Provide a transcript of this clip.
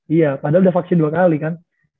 iya padahal sudah vaksin dua kali kan